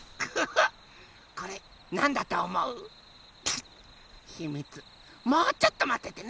もうちょっとまっててね。